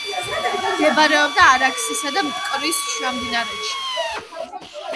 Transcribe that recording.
მდებარეობდა არაქსისა და მტკვრის შუამდინარეთში.